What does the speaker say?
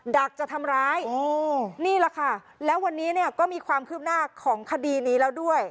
ักจะทำร้ายนี่แหละค่ะแล้ววันนี้เนี่ยก็มีความคืบหน้าของคดีนี้แล้วด้วย